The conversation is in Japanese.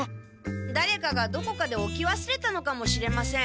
だれかがどこかでおきわすれたのかもしれません。